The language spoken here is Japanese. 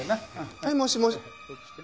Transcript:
はいもしもし。